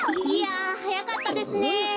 いやはやかったですね。